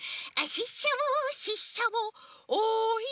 ししゃもししゃもおい